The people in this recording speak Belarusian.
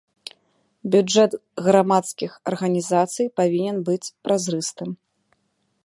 Бюджэт грамадскіх арганізацый павінен быць празрыстым.